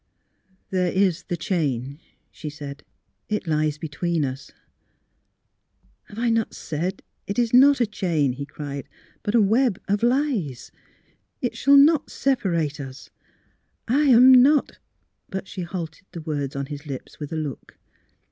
" There is the chain," she said. " It lies be twixt us. ''" Have I not said it is not a chain," he cried, *' but a web of lies? It shall not separate us. ... I am not " But she halted the words on his lips with a look.